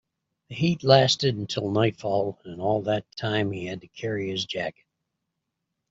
The heat lasted until nightfall, and all that time he had to carry his jacket.